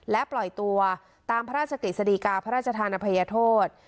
และปล่อยตัวตามพระราชกฤษฎีกาพระราชธานอภัยโทษ